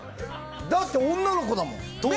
だって女の子だもん。